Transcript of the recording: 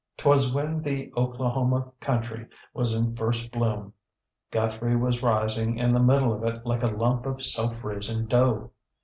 ŌĆÖTwas when the Oklahoma country was in first bloom. Guthrie was rising in the middle of it like a lump of self raising dough.